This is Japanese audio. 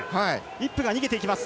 イップが逃げていきます。